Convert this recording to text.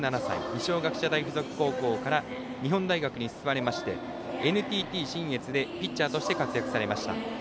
二松学舎大付属高校から日本大学に進まれましてＮＴＴ信越でピッチャーとして活躍されました。